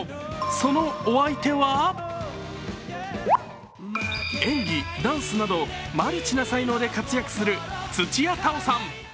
そのお相手は演技、ダンスなどマルチな才能で活躍する土屋太鳳さん。